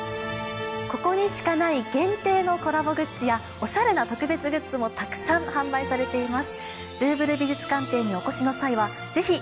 ここにしかない限定のコラボグッズやおしゃれな特別グッズもたくさん販売されています。